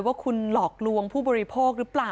ว่าคุณหลอกลวงผู้บริโภคหรือเปล่า